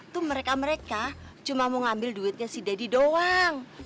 tuh mereka mereka cuma mau ngambil duitnya si deddy doang